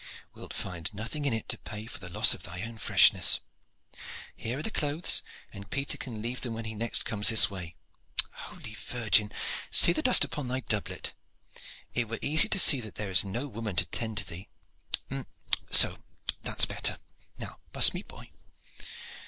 "Wilt find nothing in it to pay for the loss of thy own freshness. Here are the clothes, and Peter can leave them when next he comes this way. Holy Virgin! see the dust upon thy doublet! It were easy to see that there is no woman to tend to thee. So! that is better. Now buss me, boy."